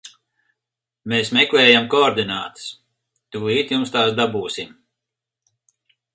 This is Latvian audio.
Mēs meklējam koordinātas, tūlīt jums tās dabūsim.